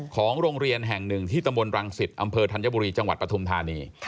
ของโรงเรียนแห่งหนึ่งที่ตำบลรังสิตอำเภอธัญบุรีจังหวัดปฐุมธานี